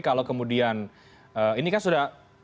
kalau kemudian ini kan sudah